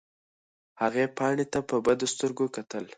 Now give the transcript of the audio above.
هغې پاڼې ته په بدو سترګو کتل.